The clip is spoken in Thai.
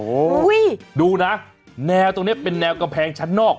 โอ้โหดูนะแนวตรงนี้เป็นแนวกำแพงชั้นนอก